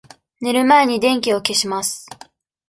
寝る前に電気を消します。